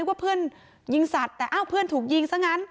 ว่าเพื่อนยิงสัตว์แต่อ้าวเพื่อนถูกยิงซะงั้น